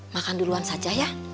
makan duluan saja ya